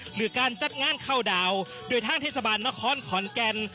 หรือการจัดงานเข้าดาวโดยทางเทศบาลนครขอนแก่น